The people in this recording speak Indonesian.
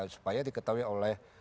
supaya diketahui oleh